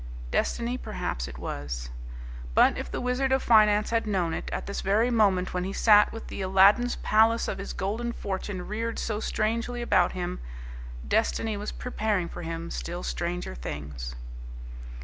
Destiny perhaps it was. But, if the Wizard of Finance had known it, at this very moment when he sat with the Aladdin's palace of his golden fortune reared so strangely about him, Destiny was preparing for him still stranger things.